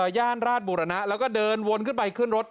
ย่านราชบุรณะแล้วก็เดินวนขึ้นไปขึ้นรถ